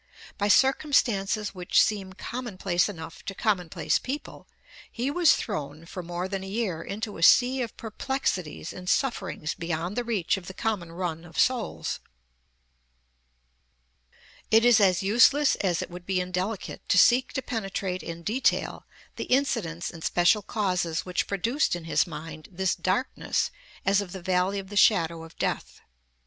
By circumstances which seem commonplace enough to commonplace people, he was thrown for more than a year into a sea of perplexities and sufferings beyond the reach of the common run of souls. It is as useless as it would be indelicate to seek to penetrate in detail the incidents and special causes which produced in his mind this darkness as of the valley of the shadow of death.